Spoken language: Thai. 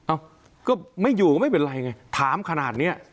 เอ้าก็ไม่อยู่ก็ไม่เป็นไรไงถามขนาดนี้